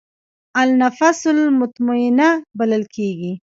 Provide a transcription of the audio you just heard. النفس المطمئنه بلل کېږي.